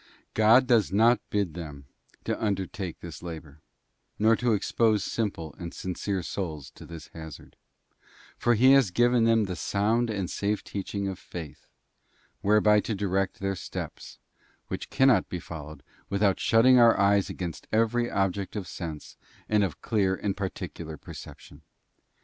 God does not bid them to undertake this labour, nor to expose simple and sincere souls to this hazard ; for He has given them the sound and safe teaching of Faith, whereby to direct their steps, which cannot be followed with out shutting our eyes against every object of sense, and _ of clear and particular perception.